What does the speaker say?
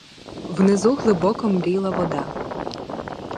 Внизу глибоко мріла вода.